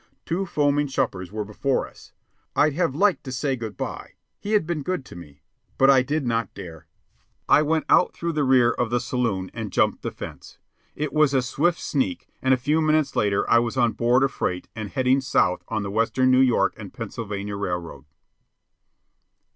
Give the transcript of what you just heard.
Two foaming shupers were before us. I'd have liked to say good by. He had been good to me. But I did not dare. I went out through the rear of the saloon and jumped the fence. It was a swift sneak, and a few minutes later I was on board a freight and heading south on the Western New York and Pennsylvania Railroad.